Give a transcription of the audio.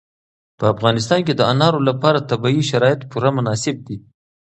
په افغانستان کې د انارو لپاره طبیعي شرایط پوره مناسب دي.